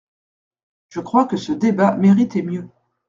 Je crois que ce débat méritait mieux.